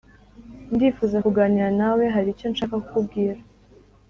ndifuza kuganira nawe haricyo nshaka kukubwira."